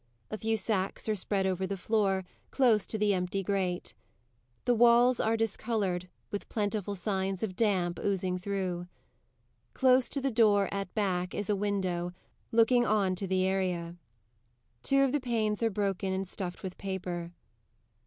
A few sacks are spread over the floor, close to the empty grate; the walls are discoloured, with plentiful signs of damp oozing through. Close to the door, at back, is a window, looking on to the area; two of the panes are broken and stuffed with paper.